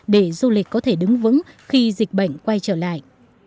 để du lịch có thể đứng vững khi dịch bệnh quay trở lại